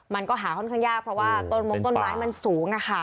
มันก็หาค่อนข้างยากเพราะว่าต้นมงต้นไม้มันสูง